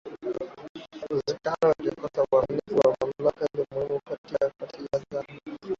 uwezekano wa kukosa uaminifu kwa mamlaka Ilikuwa muhimu ili kuhakikisha kuwa katika nyakati za